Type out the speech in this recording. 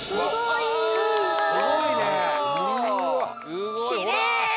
すごいね！